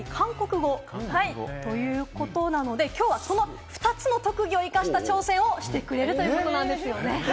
資格が手話検定３級と、特技・韓国語ということなので、きょうはその２つの特技を生かした挑戦をしてくれるということなんですね。